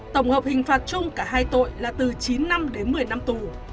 tổng hợp hình phạt chung cả hai tội là từ chín năm đến một mươi năm tù